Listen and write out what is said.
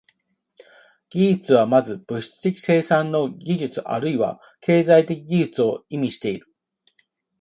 技術は先ず物質的生産の技術あるいは経済的技術を意味している。